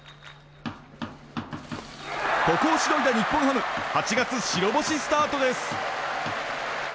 ここをしのいだ日本ハム。８月、白星スタートです。